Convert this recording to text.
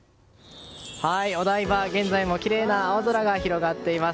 お台場、現在もきれいな青空が広がっています。